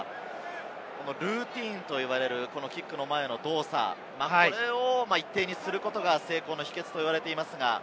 ルーティンと呼ばれるキックの前の動作、これを一定にすることが成功の秘訣と言われています。